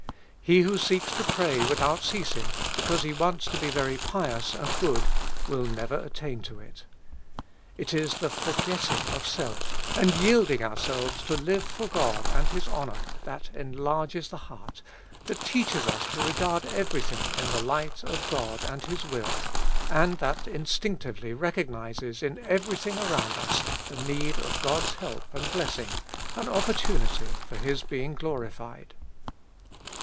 He who seeks to pray without ceasing because he wants to be very 252 With Christ in the School of Prayer. pious and good, will never attain to it. It is the for getting of self and yielding ourselves to live for God and His honor that enlarges the heart, that teaches us to regard everything in the light of God and His will, and that instinctively recognizes in everything around us the need of God's help and blessing, an opportunity for His being glorified.